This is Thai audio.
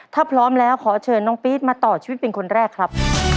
ถ้าพร้อมแล้วขอเชิญน้องปี๊ดมาต่อชีวิตเป็นคนแรกครับ